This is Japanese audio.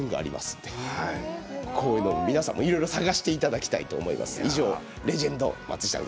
皆さんもいろいろ探してみていただきたいと思います。